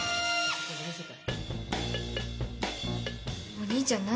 お兄ちゃん何？